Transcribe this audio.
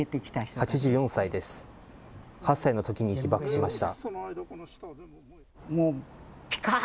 ８歳のときに被爆しました。